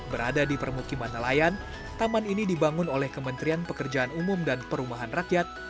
berada di permukiman nelayan taman ini dibangun oleh kementerian pekerjaan umum dan perumahan rakyat